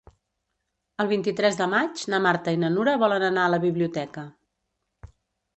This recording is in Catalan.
El vint-i-tres de maig na Marta i na Nura volen anar a la biblioteca.